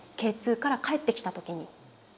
Ｋ２から帰ってきた時に。